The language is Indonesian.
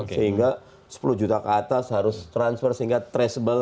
sehingga sepuluh juta ke atas harus transfer sehingga traceable